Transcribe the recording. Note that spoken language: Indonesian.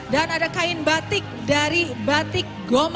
dan ada kain batik dari batik goma